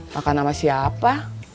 makan sama siapa